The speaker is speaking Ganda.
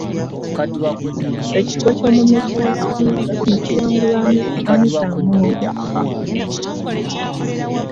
Ekifo ky’omumyuka wa sipiika ne kiwangulwa Anita Among.